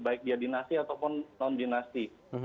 baik di adinasi ataupun non dinasi